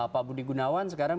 pak budi gunawan sekarang